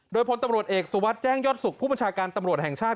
โดยพลตำรวจเอกสุวัสดิ์แจ้งยอดสุขผู้บัญชาการตำรวจแห่งชาติ